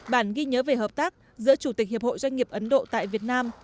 bản ghi nhớ về hợp tác giữa chủ tịch hiệp hội doanh nghiệp ấn độ tại việt nam